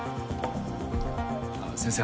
ああ先生